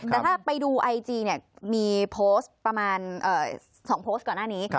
แต่ถ้าไปดูไอจีเนี่ยมีโพสต์ประมาณ๒โพสต์ก่อนหน้านี้